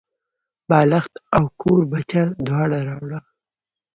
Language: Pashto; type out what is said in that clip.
بالښت او کوربچه دواړه راوړه.